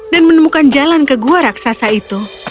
dan menemukan jalan ke gua raksasa itu